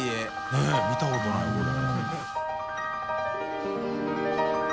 ねぇ見たことないこれ。